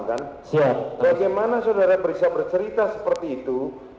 bagaimana saudara bisa bercerita seperti itu